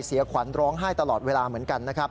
เสียขวัญร้องไห้ตลอดเวลาเหมือนกันนะครับ